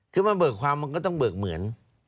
คือมาเบิกความมันก็ต้องเบิกเหมือน